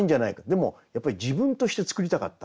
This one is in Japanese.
でもやっぱり自分として作りたかった。